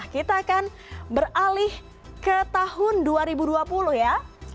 kita akan beralih ke tahun dua ribu dua puluh ya